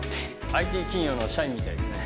ＩＴ企業の社員みたいですね。